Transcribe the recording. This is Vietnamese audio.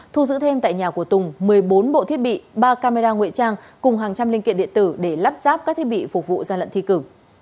thu giữ thêm tại nhà của tùng một mươi bốn bộ thiết bị ba camera nguyện trang cùng hàng trăm linh linh kiện điện tử để lắp ráp các thiết bị phục vụ gian lận thi cử